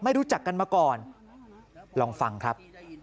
รู้จักกันมาก่อนลองฟังครับ